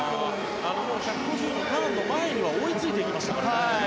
１５０のターンの前にはもう追いついていましたからね。